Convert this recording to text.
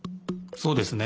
そうですね。